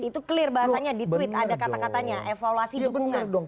itu clear bahasanya di tweet ada kata katanya evaluasi dukungan